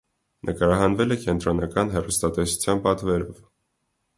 Նկարահանվել է կենտրոնական հեռուստատեսության պատվերով։